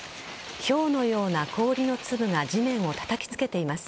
ひょうのような氷の粒が地面をたたき付けています。